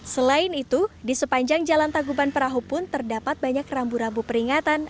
selain itu di sepanjang jalan taguban perahu pun terdapat banyak rambu rambu peringatan